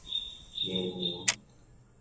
月娘